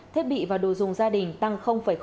thiết bị và đồ dùng gia đình tăng bảy